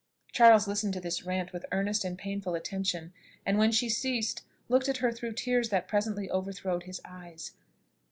Charles listened to this rant with earnest and painful attention, and, when she ceased, looked at her through tears that presently overflowed his eyes.